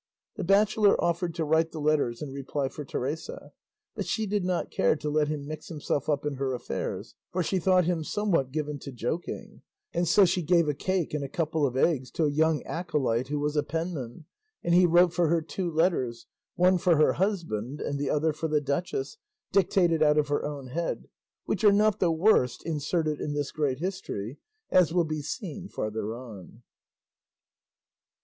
The bachelor offered to write the letters in reply for Teresa; but she did not care to let him mix himself up in her affairs, for she thought him somewhat given to joking; and so she gave a cake and a couple of eggs to a young acolyte who was a penman, and he wrote for her two letters, one for her husband and the other for the duchess, dictated out of her own head, which are not the worst inserted in this great history, as will be seen farther on.